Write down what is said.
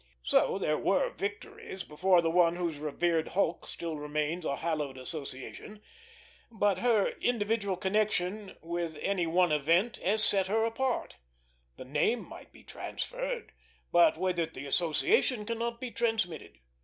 So there were Victorys, before the one whose revered hulk still maintains a hallowed association; but her individual connection with one event has set her apart. The name might be transferred, but with it the association cannot be transmitted.